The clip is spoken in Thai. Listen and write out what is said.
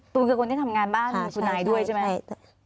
คือคนที่ทำงานบ้านมีสุนายด้วยใช่ไหม